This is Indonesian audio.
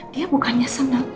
dia bukannya senang